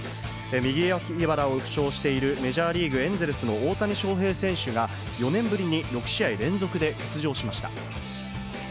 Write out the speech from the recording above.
右脇腹を負傷しているメジャーリーグ・エンゼルスの大谷翔平選手が、４年ぶりに６試合連続で出場しました。